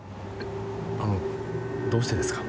あのどうしてですか？